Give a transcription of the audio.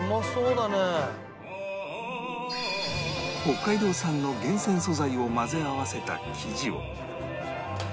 北海道産の厳選素材を混ぜ合わせた生地を